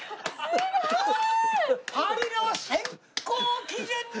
すごーい！